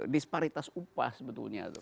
disparitas upah sebetulnya